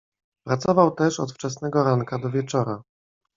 "Pracował też od wczesnego ranka do wieczora."